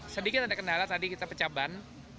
sedikit ada kendala tadi kita pecah ban